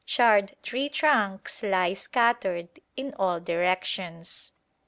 Charred tree trunks lie scattered in all directions.